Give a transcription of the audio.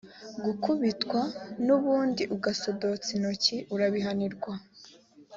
gukubitwa n’undi, ugasodotsa intoki urabihanirwa,